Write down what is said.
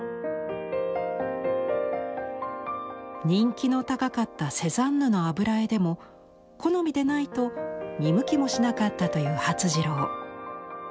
人気の高かったセザンヌの油絵でも好みでないと見向きもしなかったという發次郎。